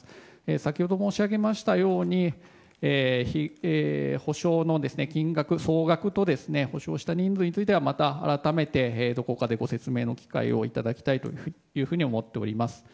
先ほど申し上げましたように補償の金額、総額と補償した人数についてはまた改めてどこかでご説明の機会をいただきたいというふうに思っております。